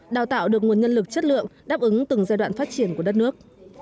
đào tạo được nguồn nhân lực chất lượng đáp ứng từng giai đoạn phát triển của đất nước